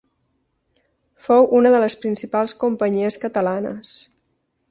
Fou una de les principals companyies catalanes.